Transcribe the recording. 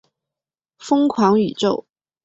疯狂宇宙